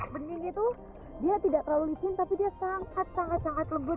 bening itu dia tidak terlalu licin tapi dia sangat sangat lembut